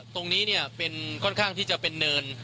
ตรงนี้เป็นค่อนข้างที่จะเป็นเนิน